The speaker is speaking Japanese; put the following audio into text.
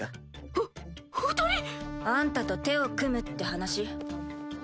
ふ二人？あんたと手を組むって話？